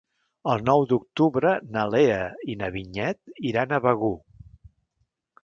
El nou d'octubre na Lea i na Vinyet iran a Begur.